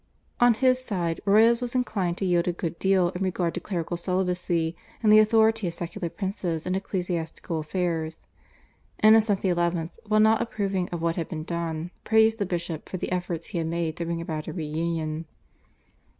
On his side Royas was inclined to yield a good deal in regard to clerical celibacy and the authority of secular princes in ecclesiastical affairs. Innocent XI., while not approving of what had been done, praised the bishop for the efforts he had made to bring about a reunion.